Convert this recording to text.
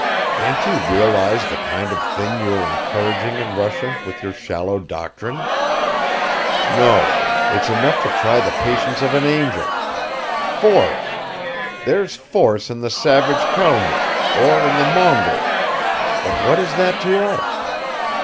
"Can't you realize the kind of thing you are encouraging in Russia with your shallow doctrine! No, it's enough to try the patience of an angel! Force! There's force in the savage Kalmuk, in the Mongol, but what is that to us?